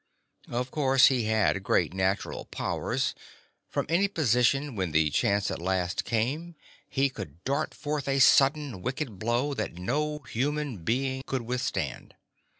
Of course he had great natural powers; from any position when the chance at last came he could dart forth a sudden, wicked blow that no human being could withstand.